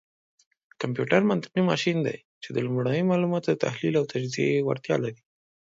کمپيوټر منطقي ماشين دی، چې د لومړنيو معلوماتو دتحليل او تجزيې وړتيا لري.